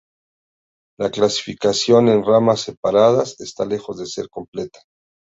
La clasificación en ramas separadas está lejos de ser completa.